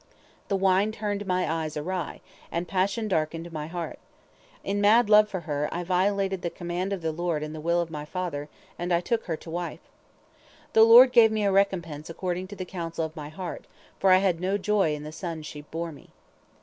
The wine turned my eyes awry, and passion darkened my heart. In mad love for her, I violated the command of the Lord and the will of my father, and I took her to wife. The Lord gave me a recompense according to the counsel of my heart, for I had no joy in the sons she bore me.